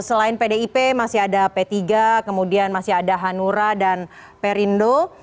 selain pdip masih ada p tiga kemudian masih ada hanura dan perindo